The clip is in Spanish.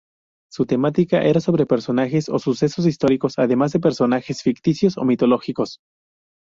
Su temática era sobre personajes o sucesos históricos además de personajes ficticios o mitológicos.